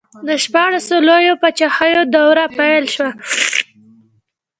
د شپاړسو لویو پاچاهیو دوره پیل شوه.